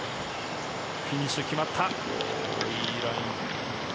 フィニッシュ決まった。